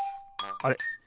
あれ？